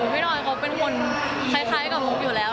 พี่หน่อยเขาเป็นคนคล้ายกับมุกอยู่แล้ว